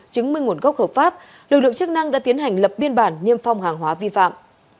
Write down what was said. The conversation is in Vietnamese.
chứng minh nguồn gốc hợp pháp lực lượng chức năng đã tiến hành lập biên bản niêm phong hàng hóa vi phạm